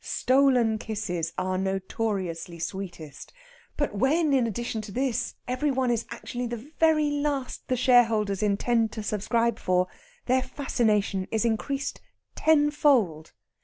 Stolen kisses are notoriously sweetest, but when, in addition to this, every one is actually the very last the shareholders intend to subscribe for, their fascination is increased tenfold.